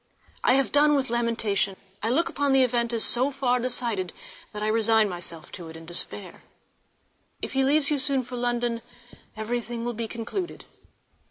I have done with lamentation; I look upon the event as so far decided that I resign myself to it in despair. If he leaves you soon for London everything will be concluded.